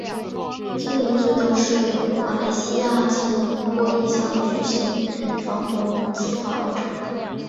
精明隧道是马来西亚吉隆坡一项巨型防洪计划工程。